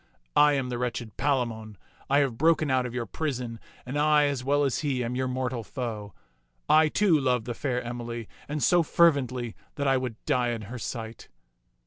I am the wretched Palamon. I have broken out of your prison, and I, as well as he, am your mortal foe. I, too, love the fair Emily, and so fervently that I would die in her sight."